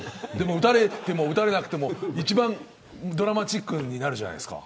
打たれても打たれなくても一番ドラマチックじゃないですか。